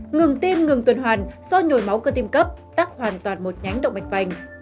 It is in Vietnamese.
ngừng tiêm ngừng tuần hoàn do nhồi máu cơ tiêm cấp tắc hoàn toàn một nhánh động mạch vành